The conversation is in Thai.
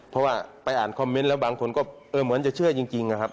เพราะว่าไปอ่านคอมเมนต์แล้วบางคนก็เหมือนจะเชื่อจริงนะครับ